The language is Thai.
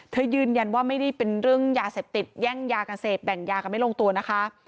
ยืนยันว่าไม่ได้เป็นเรื่องยาเสพติดแย่งยากันเสพแบ่งยากันไม่ลงตัวนะคะ